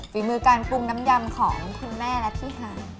ฝีมือการปรุงน้ำยำของคุณแม่และพี่ฮัน